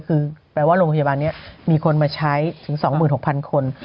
คือแปลว่าโรงพยาบาลนี้มีคนมาใช้ถึง๒๖๐๐คน